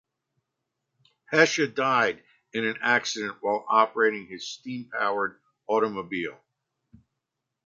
Pesha died in an accident while operating his steam-powered automobile.